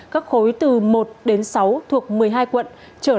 các khối từ một đến sáu thuộc một mươi hai quận trở lại trường học trực tiếp